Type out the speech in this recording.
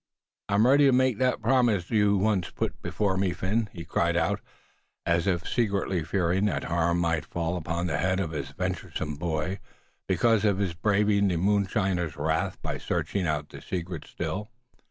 "I'm ready to make that promise you once put before me, Phin!" he cried out, as if secretly fearing that harm might fall upon the head of his venturesome boy, because of his braving the moonshiner's wrath by searching out the secret Still.